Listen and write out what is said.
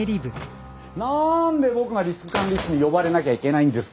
なんで僕がリスク管理室に呼ばれなきゃいけないんですかっての。